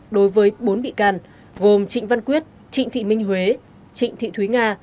đối với bốn bị can gồm trịnh văn quyết trịnh thị minh huế trịnh thị thúy nga